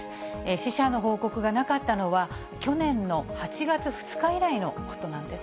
死者の報告がなかったのは去年の８月２日以来のことなんです。